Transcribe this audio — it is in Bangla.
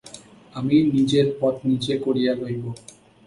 আমি নিজের পথ নিজে করিয়া লইব।